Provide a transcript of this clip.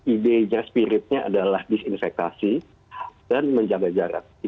ide spiritnya adalah disinfektasi dan menjaga jarak